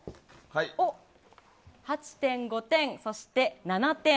８．５点そして、７点。